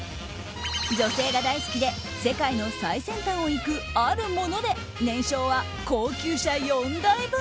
女性が大好きで世界の最先端を行くあるもので年商は高級車４台分。